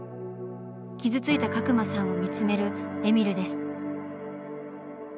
傷ついた角間さんを見つめるえみるです。